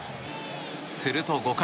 すると、５回。